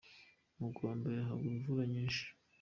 Mu kwa mbere hagwa imvura nyinshi.